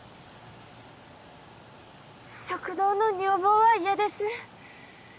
食堂の女房は嫌です